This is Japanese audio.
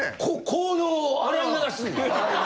効能を洗い流すんや。